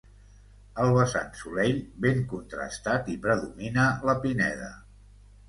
Al vessant solell, ben contrastat, hi predomina la pineda.